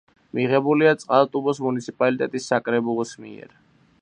მიღებულია წყალტუბოს მუნიციპალიტეტის საკრებულოს მიერ.